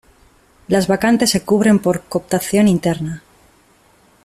Las vacantes se cubren por cooptación interna.